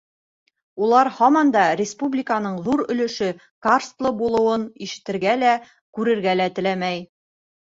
Улар һаман да республиканың ҙур өлөшө карстлы булыуын ишетергә лә, күрергә лә теләмәй...